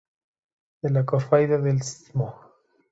De la Cofradía del Stmo.